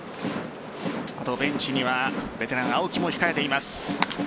ベンチにはベテラン・青木も控えています。